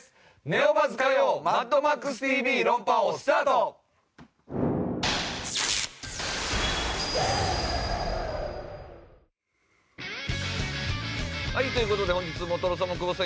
ネオバズ火曜『マッドマックスＴＶ論破王』スタート！という事で本日もとろサーモン久保田さん